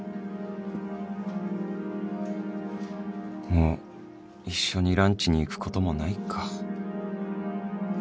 もう一緒にランチに行くこともないか